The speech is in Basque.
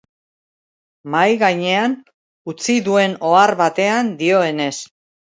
Mahai gainean utzi duen ohar batean dioenez.